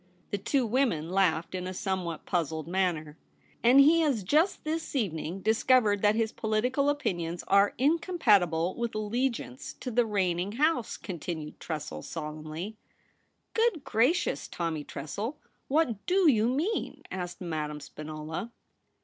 The two women laughed in a somewhat puzzled manner. ^ And he has just this evening discovered that his political opinions are incompatible with allegiance to the reigning house,' con tinued Tressel solemnly. * Good gracious, Tommy Tressel, what do you mean ?' asked Madame Spinola.